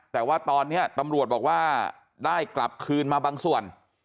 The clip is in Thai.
แต่ว่าตอนนี้ตำรวจบอกว่าได้กลับคืนมาบางส่วน